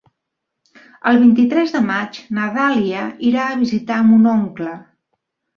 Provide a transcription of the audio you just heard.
El vint-i-tres de maig na Dàlia irà a visitar mon oncle.